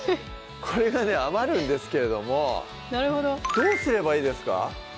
これがねあまるんですけれどもどうすればいいですか？